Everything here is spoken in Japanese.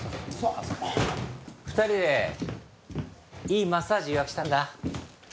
２人でいいマッサージ予約したんだ。